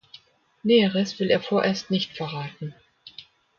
Näheres will er vorerst nicht verraten.